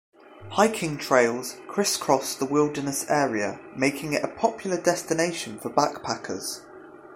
Hiking trails crisscross the wilderness area, making it a popular destination for backpackers.